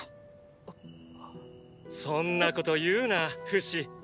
そんなこと言うなフシ。